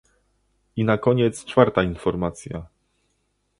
I na koniec czwarta informacja